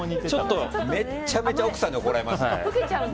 めちゃめちゃ奥さんに怒られますよ。